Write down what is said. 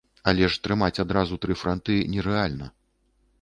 Але ж трымаць адразу тры франты нерэальна.